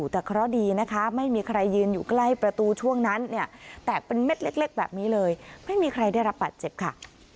แต่เคราะห์ดีนะคะไม่มีใครยืนอยู่ใกล้ประตูช่วงนั้นเนี่ยแตกเป็นเม็ดเล็กแบบนี้เลยไม่มีใครได้รับบาดเจ็บค่ะ